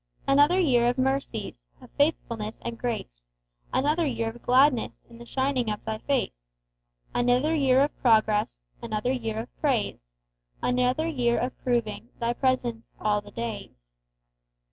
Another year of mercies, Of faithfulness and grace; Another year of gladness In the shining of Thy face. Another year of progress, Another year of praise; Another year of proving Thy presence 'all the days.'